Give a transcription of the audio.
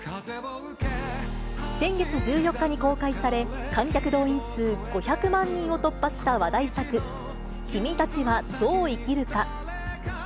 先月１４日に公開され、観客動員数５００万人を突破した話題作、君たちはどう生きるか。